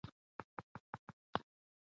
څېړونکي په اړه ډېرې مطالعاتو ته اړتیا لري.